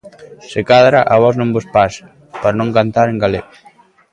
Se cadra a vós non vos pasa, por non cantar en galego.